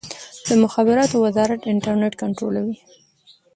د مخابراتو وزارت انټرنیټ کنټرولوي؟